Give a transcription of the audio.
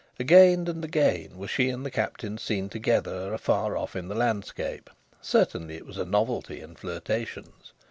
Again and again were she and the Captain seen together afar off in the landscape. Certainly it was a novelty in flirtations.